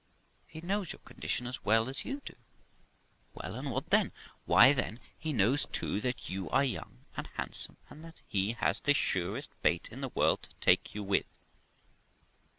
He knows your condition as well as you do.' ' Well, and what then ?' 'Why, then, he knows too that you are young and handsome, and he has the surest bait in the world to take you with.'